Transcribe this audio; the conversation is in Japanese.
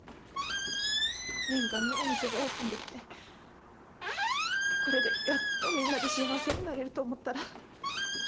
念願のお店がオープンできてこれでやっとみんなで幸せになれると思ったら。